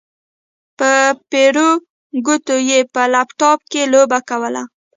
په پېړو ګوتو يې په لپټاپ کې لوبه کوله.